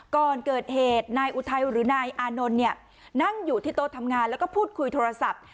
ก่อนเกิดเหตุนายอุทัยหรือนายอานนท์เนี่ยนั่งอยู่ที่โต๊ะทำงานแล้วก็พูดคุยโทรศัพท์